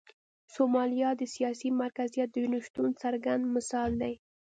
سومالیا د سیاسي مرکزیت د نشتون څرګند مثال دی.